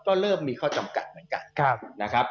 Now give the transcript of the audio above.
ก็เริ่มมีข้อจำกัดเหมือนกันนะครับ